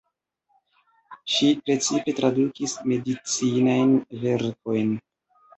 Ŝi precipe tradukis medicinajn verkojn.